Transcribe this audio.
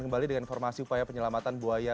kembali dengan informasi upaya penyelamatan buaya